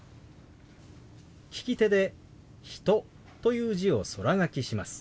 利き手で「人」という字を空書きします。